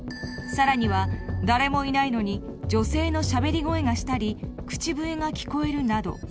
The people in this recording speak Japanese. さらには誰もいないのに女性のしゃべり声がしたり口笛が聞こえるなど